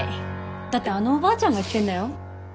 だってあのおばあちゃんが言ってんだよ。